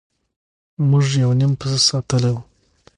موږ یو نیم پسه ساتلی وي.